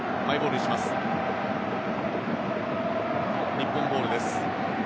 日本ボールです。